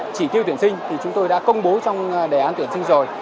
chỉ tiêu tuyển sinh thì chúng tôi đã công bố trong đề án tuyển sinh rồi